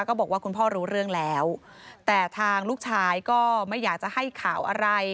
ก็บอกว่าคุณพ่อรู้เรื่องแล้วแต่ทางลูกชายก็ไม่อยากจะให้ข่าวอะไร